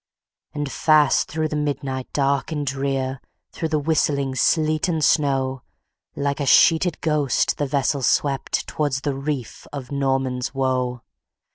And fast through the midnight dark and drear Through the whistling sleet and snow, Like a sheeted ghost, the vessel swept Towards the reef of Norman's Woe.